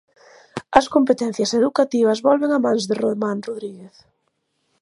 As competencias educativas volven a mans de Román Rodríguez.